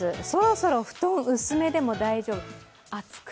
そろそろ布団薄めでも大丈夫。